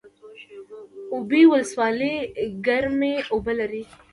اوبې ولسوالۍ ګرمې اوبه لري؟